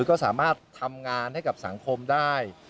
ก็สามารถทำงานให้กับสังคมได้